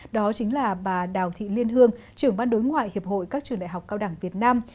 đó chính là bà đào thị liên hương trưởng ban đối ngoại hiệp hội các trường đại học cao đẳng việt nam